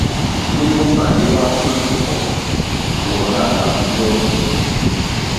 Lin bonğandi báh pful minkuong ywogo nah lab bio ma.